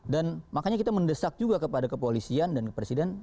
dan makanya kita mendesak juga kepada kepolisian dan kepresiden